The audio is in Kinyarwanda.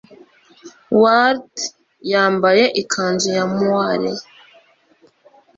Waltz yambaye ikanzu ya moire